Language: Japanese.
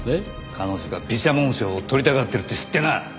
彼女が美写紋賞を取りたがってるって知ってな！